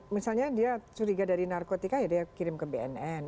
misalnya dia curiga dari narkotika ya dia kirim ke bnn